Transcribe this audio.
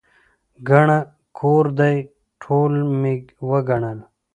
ګڼه کور دی، ټول مې وګڼل.